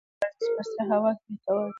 هغې وویل ورزش په سړه هوا کې ګټور دی.